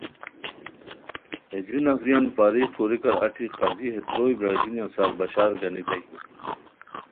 ہے جو نفریان فارغ کوریکار اچی قاضی ہے تروئے برار گینیان سار بشار گانیتائے